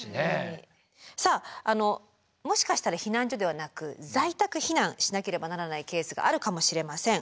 さあもしかしたら避難所ではなく在宅避難しなければならないケースがあるかもしれません。